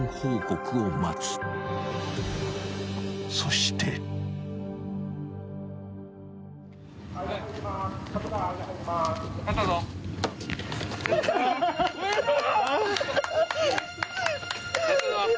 ［そして］・おめでとう。